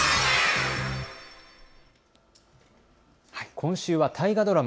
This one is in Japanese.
今週は大河ドラマ